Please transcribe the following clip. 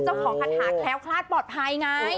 เจ้าของคทาแคล้วฆาตปลอดภัยไง